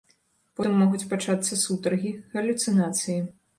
Потым могуць пачацца сутаргі, галюцынацыі.